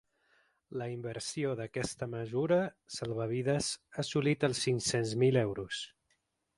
La inversió d’aquesta mesura salvavides ha assolit els cinc-cents mil euros.